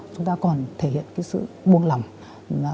chúng ta còn thể hiện sự buông lòng